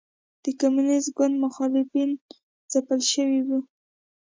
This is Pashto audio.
د کمونېست ګوند مخالفین ځپل شوي وو.